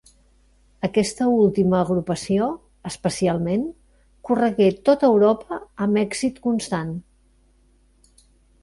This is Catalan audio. Aquesta última agrupació, especialment, corregué tota Europa amb èxit constant.